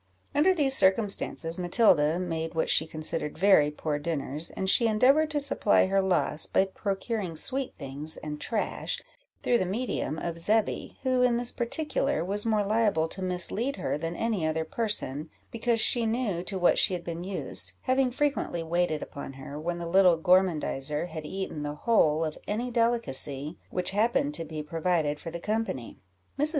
Under these circumstances, Matilda made what she considered very poor dinners, and she endeavoured to supply her loss by procuring sweet things and trash, through the medium of Zebby, who, in this particular, was more liable to mislead her than any other person, because she knew to what she had been used, having frequently waited upon her, when the little gormandizer had eaten the whole of any delicacy which happened to be provided for the company. Mrs.